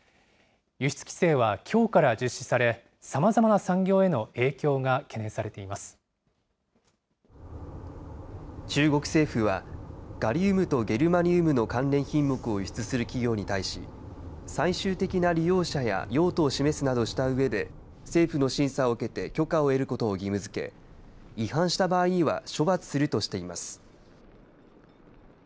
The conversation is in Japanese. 輸出規制はきょうから実施され、さまざまな産業への影響が懸念さ中国政府は、ガリウムとゲルマニウムの関連品目を輸出する企業に対し、最終的な利用者や用途を示すなどしたうえで、政府の審査を受けて許可を得ることを義務づけ、違反した場合には処罰するとしています。